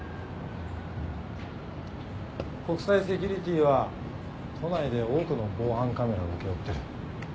国際セキュリティは都内で多くの防犯カメラを請け負ってる。